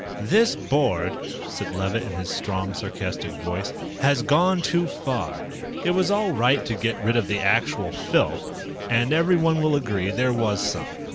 "This board," said Levitt in his strong, sarcastic voice, "has gone too far. It was all right to get rid of the actual filth ... and everyone will agree there was some.